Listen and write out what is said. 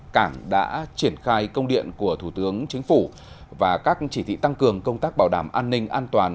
cảng đã triển khai công điện của thủ tướng chính phủ và các chỉ thị tăng cường công tác bảo đảm an ninh an toàn